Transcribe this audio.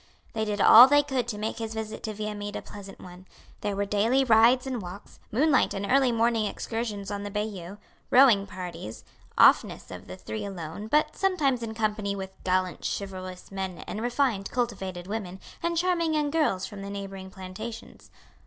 They did all they could to make his visit to Viamede a pleasant one; there were daily rides and walks, moonlight and early morning excursions on the bayou, rowing parties; oftenest of the three alone, but sometimes in company with gallant chivalrous men and refined, cultivated women and charming young girls from the neighboring plantations.